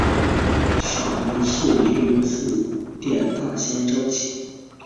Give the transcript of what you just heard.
法名是灵云寺殿大仙绍其。